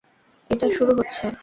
এটা শুরু হচ্ছে?